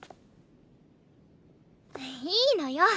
いいのよ。